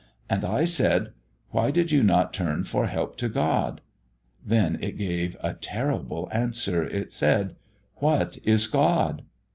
And I said: 'Why did you not turn for help to God?' "Then it gave a terrible answer: it said, 'What is God?'